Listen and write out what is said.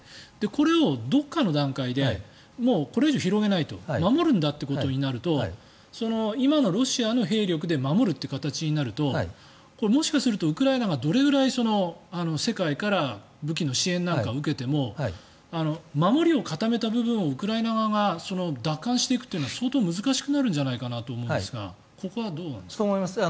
これを、どこかの段階でもうこれ以上広げない守るんだということになると今のロシアの兵力で守るという形になるともしかするとウクライナがどれぐらい世界から武器の支援なんかを受けても守りを固めた部分をウクライナ側が奪還していくというのは相当難しくなるんじゃないかと思うんですがここはどうなんですか？